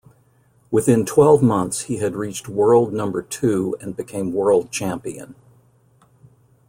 Within twelve months he had reached World number two and became World Champion.